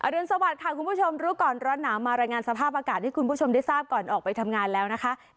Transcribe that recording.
รุนสวัสดิค่ะคุณผู้ชมรู้ก่อนร้อนหนาวมารายงานสภาพอากาศให้คุณผู้ชมได้ทราบก่อนออกไปทำงานแล้วนะคะ